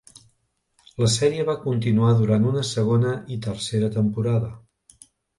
La sèrie va continuar durant una segona i tercera temporada.